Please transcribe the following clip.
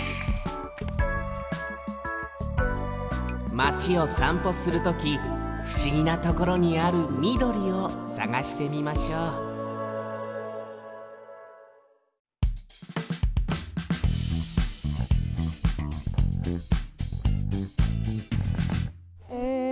マチをさんぽするときふしぎなところにある緑をさがしてみましょうん。